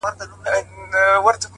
نه یو غزله جانانه سته زه به چیري ځمه٫